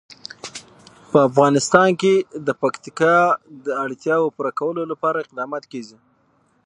په افغانستان کې د پکتیکا د اړتیاوو پوره کولو لپاره اقدامات کېږي.